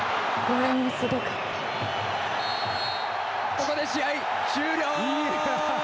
ここで試合終了。